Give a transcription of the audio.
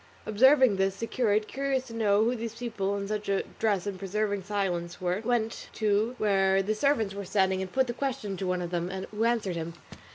Observing this the curate, curious to know who these people in such a dress and preserving such silence were, went to where the servants were standing and put the question to one of them, who answered him.